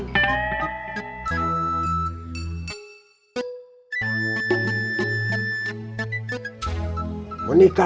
jangan cari alasan